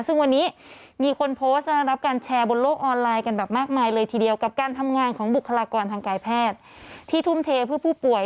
ซึ่งวันนี้มีคนโพสต์และรับการแชร์บนโลกออนไลน์กันแบบมากมายเลยทีเดียวกับการทำงานของบุคลากรทางการแพทย์ที่ทุ่มเทเพื่อผู้ป่วย